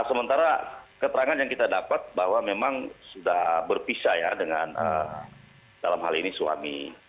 sementara keterangan yang kita dapat bahwa memang sudah berpisah ya dengan dalam hal ini suami